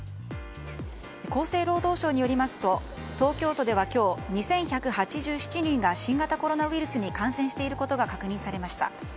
厚生労働省によりますと東京都では今日２１８７人が新型コロナウイルスに感染していることが確認されました。